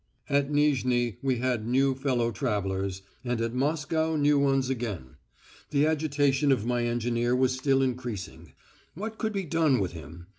At Nizhni we had new fellow travellers, and at Moscow new ones again. The agitation of my engineer was still increasing. What could be done with him?